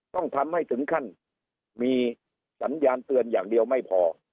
ต้องทำให้ถึงขั้นมีสัญญาณเตือนอย่างเดียวไม่พอ